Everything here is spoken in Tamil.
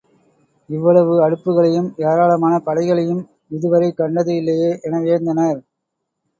இவ்வளவு, அடுப்புகளையும், ஏராளமான படைகளையும் இதுவரை கண்டது இல்லையே என வியந்தனர்.